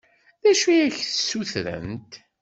D acu i ak-d-ssutrent?